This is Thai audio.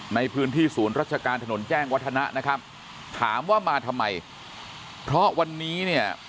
ในพื้นที่ศูนย์ราชการถนนแจ้งวัฒนะนะครับถามว่ามาทำไมเพราะวันนี้เนี่ย